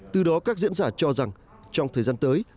từ đó các diễn giả cho rằng trong thời gian tới